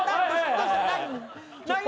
どうした！？何！？